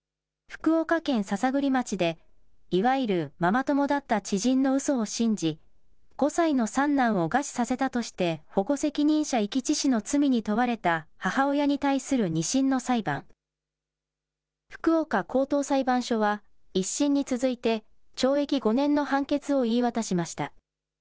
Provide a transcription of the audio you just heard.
福岡県篠栗町で、いわゆるママ友だった知人のうそを信じ、５歳の三男を餓死させたとして、保護責任者遺棄致死の罪に問われた母親に対する２審の裁判。福岡高等裁判所は、１審に続いて懲役５年の判決を言い渡しました。